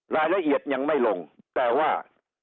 รายละเอียดยังไม่ลงแต่ว่า